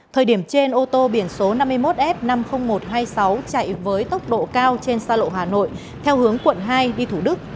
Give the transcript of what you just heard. thời điểm trên ô tô biển số năm mươi một f năm mươi nghìn một trăm hai mươi sáu chạy với tốc độ cao trên xa lộ hà nội theo hướng quận hai đi thủ đức